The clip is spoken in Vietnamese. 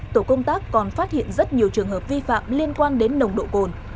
tổ công tác còn phát hiện rất nhiều trường hợp vi phạm liên quan đến nồng độ cồn